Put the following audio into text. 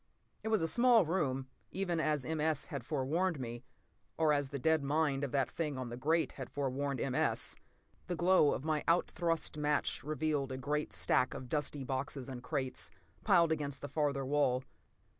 p> It was a small room, even as M. S. had forewarned me—or as the dead mind of that thing on the grate had forewarned M. S. The glow of my out thrust match revealed a great stack of dusty boxes and crates, piled against the farther wall.